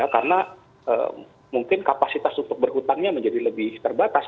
karena mungkin kapasitas untuk berhutangnya menjadi lebih terbatas